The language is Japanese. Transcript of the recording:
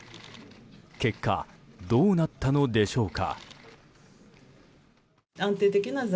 結果、どうなったのでしょうか。